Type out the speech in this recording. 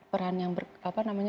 peran yang berapa namanya